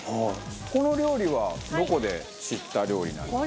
この料理はどこで知った料理なんですか？